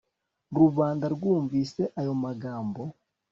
rubanda rwumvise ayo magambo